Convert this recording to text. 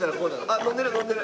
あっ飲んでる飲んでる。